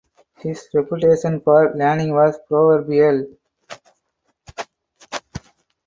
His reputation for learning was proverbial.